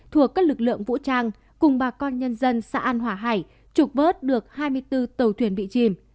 thuộc các lực lượng vũ trang cùng bà con nhân dân xã an hòa hải trục vớt được hai mươi bốn tàu thuyền bị chìm